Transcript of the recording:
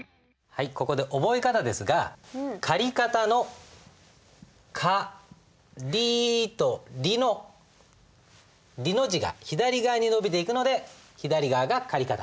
ここで覚え方ですが借方の「かり」と「り」の字が左側に伸びていくので左側が借方。